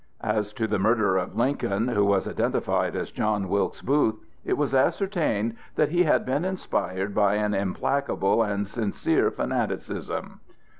As to the murderer of Lincoln, who was identified as John Wilkes Booth, it was ascertained that he had been inspired by an implacable and sincere fanaticism.